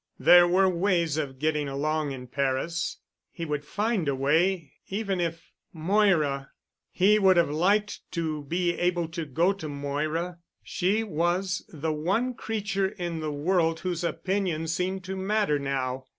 There were ways of getting along in Paris. He would find a way even if ... Moira! He would have liked to be able to go to Moira. She was the one creature in the world whose opinion seemed to matter now.